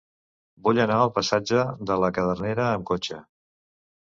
Vull anar al passatge de la Cadernera amb cotxe.